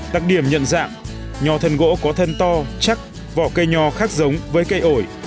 đặc điểm nhận dạng nhò thần gỗ có thân to chắc vỏ cây nhò khác giống với cây ổi